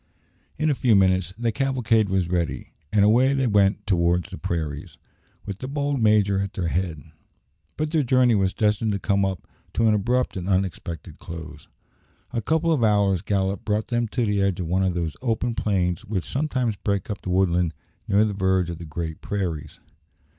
In a few minutes the cavalcade was ready, and away they went towards the prairies, with the bold major at their head. But their journey was destined to come to an abrupt and unexpected close. A couple of hours' gallop brought them to the edge of one of those open plains which sometimes break up the woodland near the verge of the great prairies.